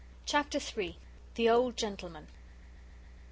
Chapter III. The old gentleman.